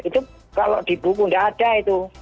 itu kalau di buku tidak ada itu